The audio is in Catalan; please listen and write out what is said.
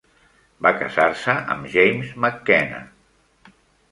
Va casar-se amb James McKenna.